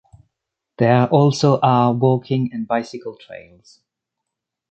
There also are walking and bicycle trails.